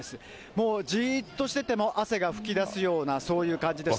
もうじーっとしてても汗が噴き出すような、そういう感じでして。